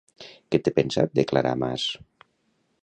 Què té pensat declarar Mas?